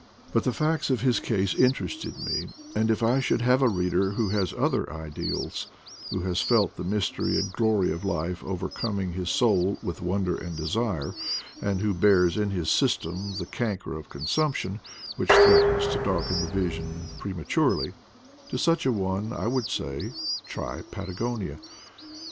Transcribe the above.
But the facts of his case interested me ; and if I should have a reader who has other ideals, who has felt the mystery and glory of life overcoming his soul with wonder and desire, and who bears in his system the canker of consumption which threatens to darken the vision prematurely — to such a one I would say, Tby Patagonia.